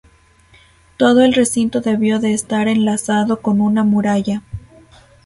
Todo el recinto debió de estar enlazado con una muralla.